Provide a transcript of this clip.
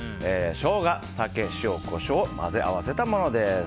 ショウガ、酒、塩、コショウを混ぜ合わせたものです。